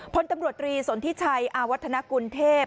พลตำรวจตรีสนทิชัยอาวัฒนากุลเทพ